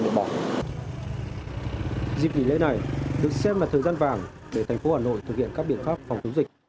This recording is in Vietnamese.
dịp nghỉ lễ này được xem là thời gian vàng để thành phố hà nội thực hiện các biện pháp phòng chống dịch